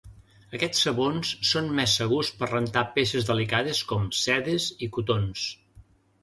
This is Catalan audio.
Aquests sabons són més segurs per rentar peces delicades com, sedes i cotons.